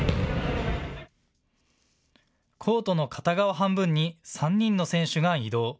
コートの片側半分に３人の選手が移動。